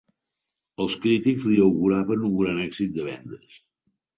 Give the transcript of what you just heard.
Els crítics li auguraven un gran èxit de vendes.